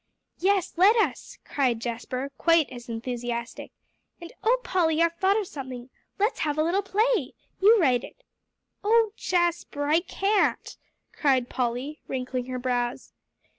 "Yes, let us," cried Jasper, just as enthusiastic; "and oh, Polly, I've thought of something. Let's have a little play you write it." "Oh Jasper, I can't," cried Polly, wrinkling her brows.